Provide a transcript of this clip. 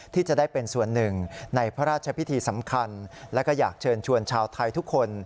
ที่จะได้เป็นส่วนหนึ่งในพระราชพิธีสำคัญและก็อยากเชิญชวนชาวไทยทุกคน